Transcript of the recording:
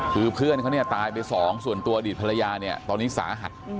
คือเพื่อนเขาเนี่ยตายไปสองส่วนตัวอดีตภรรยาเนี่ยตอนนี้สาหัส